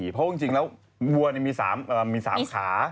เพราะจริงแล้ววัวมี๓ขา